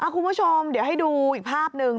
คุณผู้ชมเดี๋ยวให้ดูอีกภาพหนึ่ง